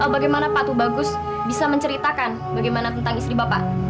bagaimana pak tubagus bisa menceritakan bagaimana tentang istri bapak